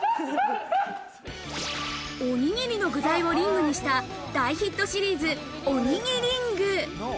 おにぎりの具材をリングにした大ヒットシリーズ、おにぎりん具。